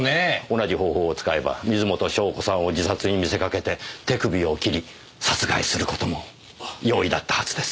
同じ方法を使えば水元湘子さんを自殺に見せかけて手首を切り殺害する事も容易だったはずです。